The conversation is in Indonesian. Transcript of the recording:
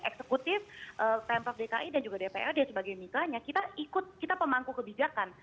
eksekutif temprov dki dan juga dprd sebagai mitra nya kita ikut kita pemangku kebijakan